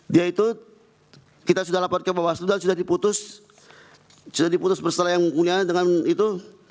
dia itu kita sudah laporkan ke bawaslu dan sudah diputus bersalah yang mulia dengan itu